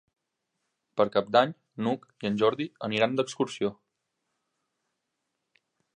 Per Cap d'Any n'Hug i en Jordi aniran d'excursió.